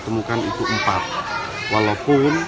temukan itu empat walaupun